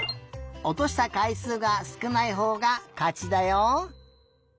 おとしたかいすうがすくないほうがかちだよ。